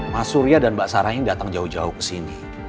mas surya dan mbak sarain datang jauh jauh kesini